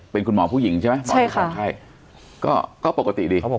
เป็นคุณหมอผู้หญิงใช่ไหมหมอใช่ค่ะใช่ก็ก็ปกติดีเขาบอก